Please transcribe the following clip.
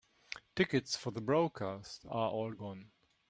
Tickets for the broadcast are all gone.